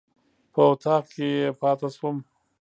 په اطاق کې پاتې شوم.